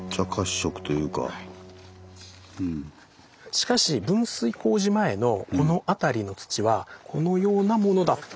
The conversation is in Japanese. しかし分水工事前のこの辺りの土はこのようなものだったんです。